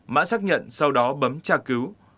mã xác nhận sau đó bấm tra cứu